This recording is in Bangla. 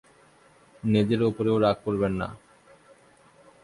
নিজের ওপরেও রাগ করবেন না।